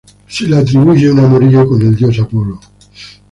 Se le atribuye un amorío con el dios Apolo.